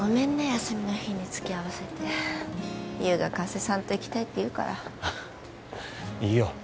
休みの日につきあわせて優が加瀬さんと行きたいって言うからいいよ